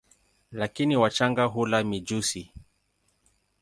Lakini wachanga hula mijusi.